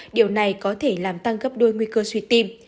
điều này có thể làm tăng gấp đôi nguy cơ suy tim